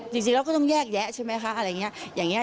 จริงเราก็ต้องแยกแยะใช่ไหมคะอะไรอย่างนี้